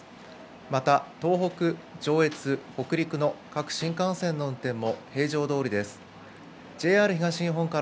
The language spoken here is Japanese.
また、東北、上越、北陸の各新幹線の運転も平常どおりです。